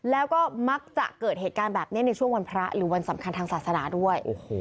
แล้วก็มักจะเกิดเหตุการณ์แบบนี้ในช่วงวันพระหรือวันสำคัญทางศาสนาด้วย